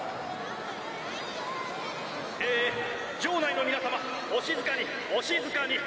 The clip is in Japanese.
え場内の皆さまお静かにお静かに。